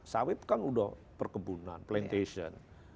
sawit kan udah perkebunan plantation